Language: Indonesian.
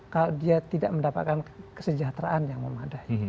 kalau dia tidak mendapatkan kesejahteraan yang memadai